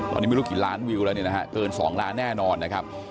ตอนนี้ไม่รู้กี่ล้านวิวแล้วเนี่ยนะฮะเกิน๒ล้านแน่นอนนะครับ